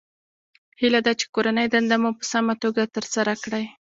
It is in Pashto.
هیله ده چې کورنۍ دنده مو په سمه توګه ترسره کړئ